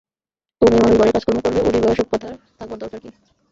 ও মেয়েমানুষ, ঘরের কাজকর্ম করবে, ওরই বা এ-সব কথায় থাকবার দরকার কী?